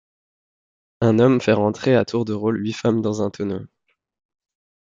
Un homme fait rentrer à tour de rôle huit femmes dans un tonneau.